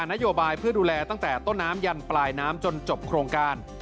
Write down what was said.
นโยบายเพื่อดูแลตั้งแต่ต้นน้ำยันปลายน้ำจนจบโครงการ